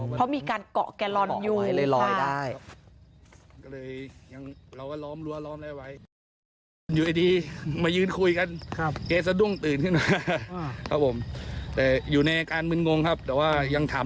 เพราะมีการเกาะแกลอนอยู่ค่ะ